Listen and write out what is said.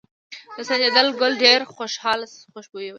د سنجد ګل ډیر خوشبويه وي.